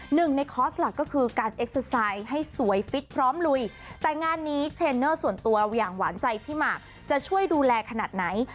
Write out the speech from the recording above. หนึ่งในคอร์สหลักก็คือการเอ็กเซอร์ไซด์ให้สวยฟิตพร้อมลุยแต่งานนี้เทรนเนอร์ส่วนตัวอย่างหวานใจพี่หมากจะช่วยดูแลขนาดไหน